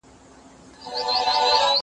زه به سبا د کتابتون د کار مرسته کوم؟!